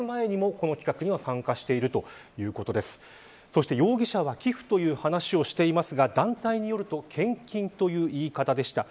そして容疑者は寄付という話をしていますが団体によると献金という言い方でした。